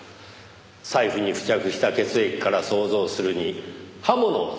財布に付着した血液から想像するに刃物を使った自殺。